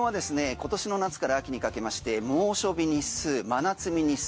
今年の夏から秋にかけまして猛暑日日数、夏日日数